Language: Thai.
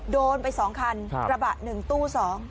โดนไป๒คันกระบะ๑ตู้๒